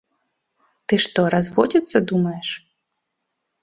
Ты што, разводзіцца думаеш?